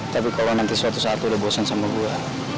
tapi kalau nanti suatu saat udah bosan sama gue